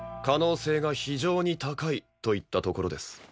可能性が非常に高いといったところです。